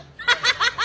ハハハハ！